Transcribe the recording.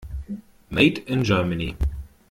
Made in Germany.